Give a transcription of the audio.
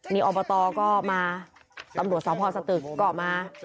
นี่อบตก็มาตำรวจสพสตึกก็มา